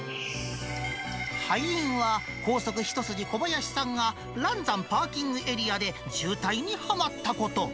敗因は、高速一筋、小林さんが、嵐山パーキングエリアで渋滞にはまったこと。